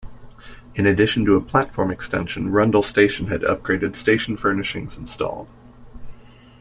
In addition to a platform extension, Rundle station had upgraded station furnishings installed.